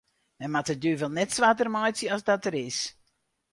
Men moat de duvel net swarter meitsje as dat er is.